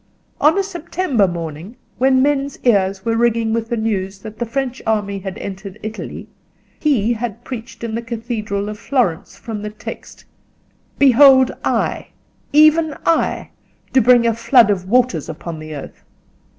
On a September morning, when men's ears were ringing with the news that the French army had entered Italy, he had preached in the Cathedral of Florence from the text, "Behold I, even I, do bring a flood of waters upon the earth."